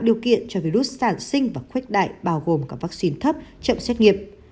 truyền cho virus sản sinh và khuếch đại bao gồm cả vaccine thấp chậm xét nghiệm